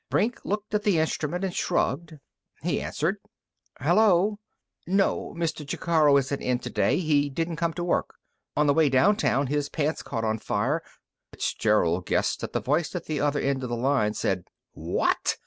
Brink looked at the instrument and shrugged. He answered. "Hello.... No, Mr. Jacaro isn't in today. He didn't come to work. On the way downtown his pants caught on fire " Fitzgerald guessed that the voice at the other end of the line said "_What?